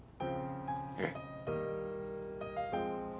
えっ？